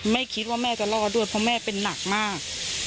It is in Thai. ไม่คิดว่าแม่จะรอดด้วยเพราะแม่เป็นหนักมาก